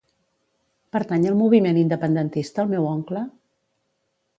Pertany al moviment independentista el meu oncle?